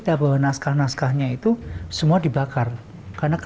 selir mer reader sesuatu yang banyak anda ter halilandliestik undang